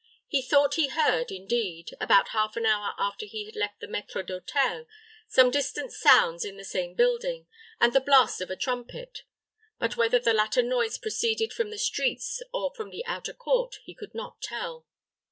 He thought he heard, indeed, about half an hour after he had left the maître d'hôtel, some distant sounds in the same building, and the blast of a trumpet; but whether the latter noise proceeded from the streets or from the outer court, he could not tell.